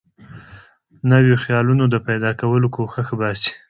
نویو خیالونو د پیدا کولو کوښښ باسي.